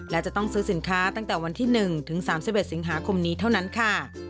และจะต้องซื้อสินค้าตั้งแต่วันที่๑ถึง๓๑สิงหาคมนี้เท่านั้นค่ะ